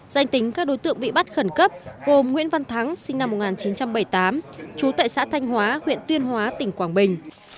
danh tính các đối tượng bị bắt khẩn cấp gồm nguyễn văn thắng sinh năm một nghìn chín trăm bảy mươi tám trú tại xã thanh hóa huyện tuyên hóa tỉnh quảng bình